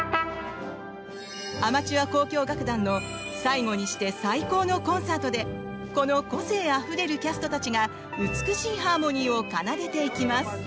アマチュア交響楽団の最後にして最高のコンサートでこの個性あふれるキャストたちが美しいハーモニーを奏でていきます。